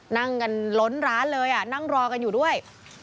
นั่งกันล้นร้านเลยนั่งรอกันอยู่ด้วย